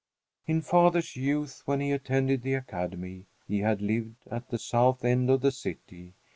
In father's youth, when he attended the Academy, he had lived at the south end of the city.